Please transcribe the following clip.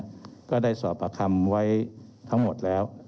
เรามีการปิดบันทึกจับกลุ่มเขาหรือหลังเกิดเหตุแล้วเนี่ย